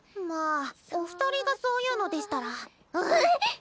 まあお二人がそう言うのでしたら。